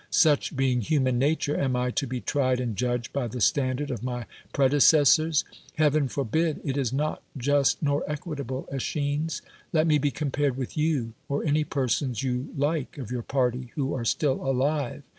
Such being human nature, am I to be tried and judged by the standard of my predecessors? Heaven for bid I It is not j ust nor equitable, y^Zschines. Let nve be compared with you, or any persons you Hke of your party who are still alive.